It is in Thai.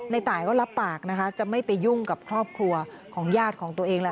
ตายก็รับปากนะคะจะไม่ไปยุ่งกับครอบครัวของญาติของตัวเองแหละ